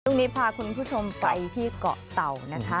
ช่วงนี้พาคุณผู้ชมไปที่เกาะเต่านะคะ